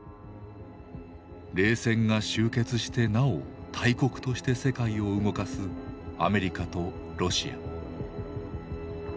冷戦が終結してなお大国として世界を動かすアメリカとロシア。